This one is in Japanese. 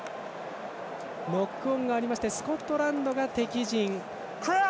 ノックオンがありましてスコットランドが敵陣。